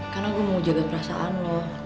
karena gue mau jaga perasaan lo